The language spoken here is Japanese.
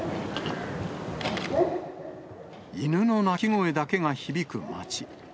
犬の鳴き声だけが響く街。